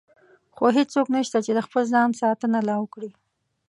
خو هېڅوک نشته چې د خپل ځان ساتنه لا وکړي.